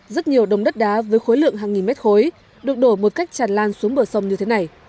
rất nhiều đồng đất đá với khối lượng hàng nghìn mét khối được đổ một cách tràn lan xuống bờ sông như thế này